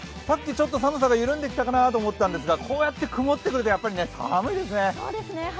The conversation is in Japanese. さっきちょっと寒さが緩んできたかなと思ったんですが、こうやって曇ってくると、やっぱり寒いですね。